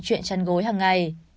chuyện chăn gối hằng ngày